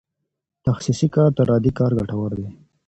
تخصصي کار تر عادي کار ګټور دی.